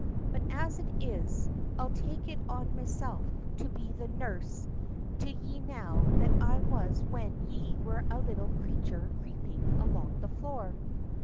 But as it is, I'll take it on meself to be the nurse to ye now that I was when ye were a little creature creeping along the floor."